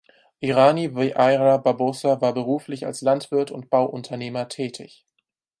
Irani Vieira Barbosa war beruflich als Landwirt und Bauunternehmer tätig.